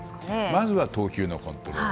まずは投球のコントロール